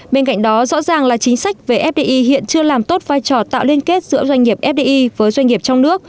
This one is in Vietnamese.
bên cạnh đó rõ ràng là chính sách về fdi hiện chưa làm tốt vai trò tạo liên kết giữa doanh nghiệp fdi với doanh nghiệp trong nước